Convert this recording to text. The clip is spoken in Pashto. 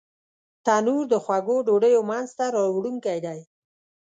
تنور د خوږو ډوډیو مینځ ته راوړونکی دی